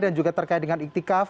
dan juga terkait dengan ikhtikaf